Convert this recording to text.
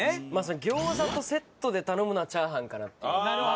餃子とセットで頼むのはチャーハンかなっていう。